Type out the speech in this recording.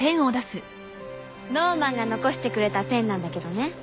ノーマンが残してくれたペンなんだけどね。